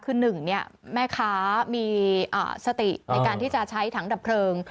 คือ๑แม่ค้ามีสติในการที่จะใช้ถังดับเพลิง